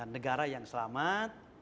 negara yang selamat